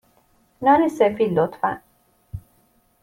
نان سفید، لطفا.